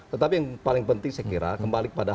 tetapi yang paling penting saya kira kembali pada